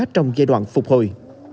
trong giai đoạn phục hồi